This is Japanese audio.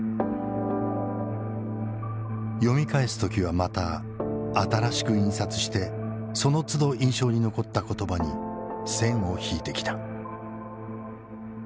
読み返す時はまた新しく印刷してそのつど印象に残った言葉に線を引いてきた。